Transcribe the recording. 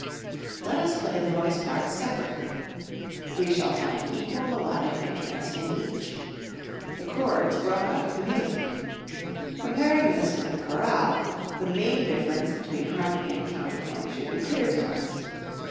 Let us play the voice parts separately. We shall find equal melodic interest in each. The chords grow out of the music. Comparing this with the choral, the main difference between harmony and counterpoint should be clear to us.